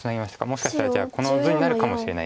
もしかしたらじゃあこの図になるかもしれない。